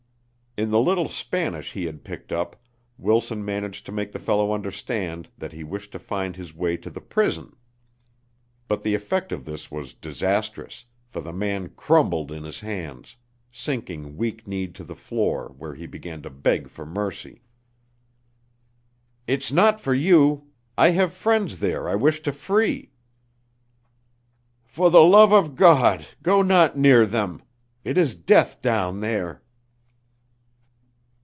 In the little Spanish he had picked up Wilson managed to make the fellow understand that he wished to find his way to the prison. But the effect of this was disastrous, for the man crumbled in his hands, sinking weak kneed to the floor where he began to beg for mercy. "It's not for you. I have friends there I wish to free." "For the love of God, go not near them. It is death down there."